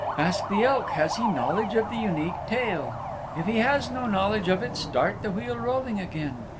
Ask the Elk has he knowledge of the Unique Tale. If he has no knowledge of it start the wheel rolling again.